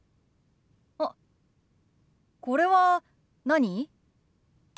あっこれは何？